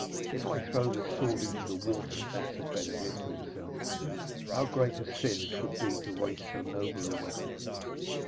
'If I throw this sword into the water,' said Sir Bedevere to himself, 'how great a sin 'twould be to waste so noble a weapon.'